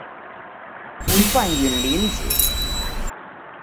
范允临子。